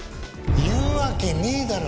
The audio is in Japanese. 言うわけねえだろ！